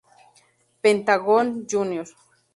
Pentagón Jr.